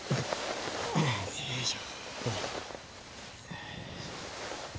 よいしょ。